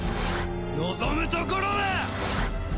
望むところだ！